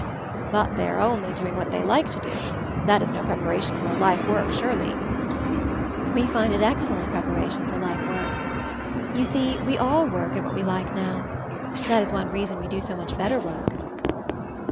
"But they are only doing what they like to do — that is no preparation for a life work surely." "We find it an excellent preparation for life work. You see, we all work at what we like now. That is one reason we do so much better work."